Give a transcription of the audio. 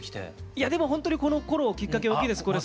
いやでもほんとにこのころきっかけ大きいです。